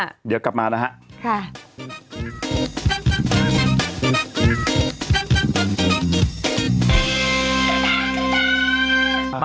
พักก่อนเดี๋ยวกลับมานะครับ